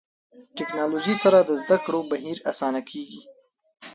ټکنالوژي سره د زده کړو بهیر اسانه کېږي.